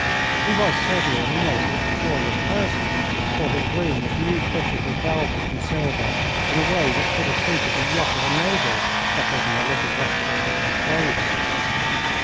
He was certainly a most luxurious person, for his room was new fitted with velvet and silver in a way which would have suited the yacht of a noble better than a little West African trader.